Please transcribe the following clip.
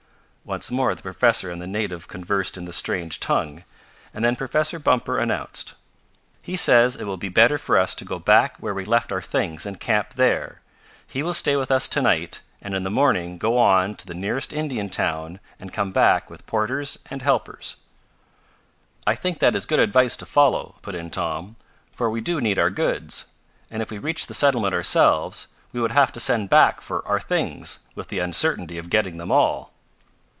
Once more the professor and the native conversed in the strange tongue, and then Professor Bumper announced: "He says it will be better for us to go back where we left our things and camp there. He will stay with us to night and in the morning go on to the nearest Indian town and come back with porters and helpers." "I think that is good advice to follow," put in Tom, "for we do need our goods; and if we reached the settlement ourselves, we would have to send back for our things, with the uncertainty of getting them all."